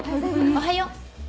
おはよう。